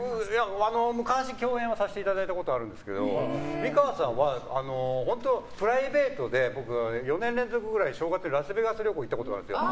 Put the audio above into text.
昔、共演させていただいたことありますけど美川さんは本当プライベートで僕、４年連続ぐらい正月にラスベガス旅行行ったことあるんですよ。